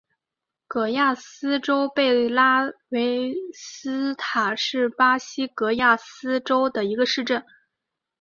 戈亚斯州贝拉维斯塔是巴西戈亚斯州的一个市镇。